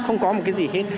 không có một cái gì hết